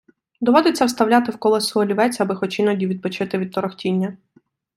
Доводиться вставляти в колесо олівець, аби хоч іноді відпочити від торохтіння.